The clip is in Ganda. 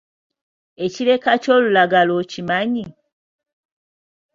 Ekireka ky'olulagala okimanyi?